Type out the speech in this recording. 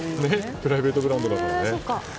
プライベートブランドですから。